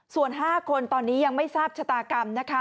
ส่วน๕คนตอนนี้ยังไม่ทราบชะตากรรมนะคะ